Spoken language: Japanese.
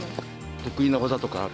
得意な技とかある？